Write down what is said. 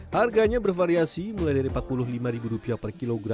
harganya bervariasi mulai dari empat puluh lima rupiah per kilo